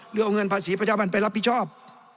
หรือเอาเงินภาษีประชาชนไปรับผิดชอบ